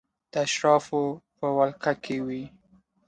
د اشرافو په ولکه کې وې.